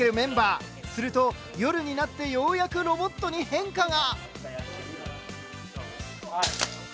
すると夜になってようやくロボットに変化が。